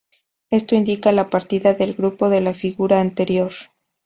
Esto indica la partida del grupo de la figura anterior.